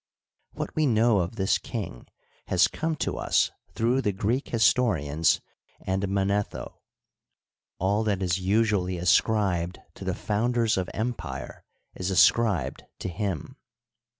What we know of this kmg has come to us through the Greek his torians and Manetho. All that is usually ascribed to the founders of empire is ascribed to him.